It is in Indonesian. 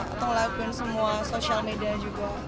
atau ngelakuin semua social media juga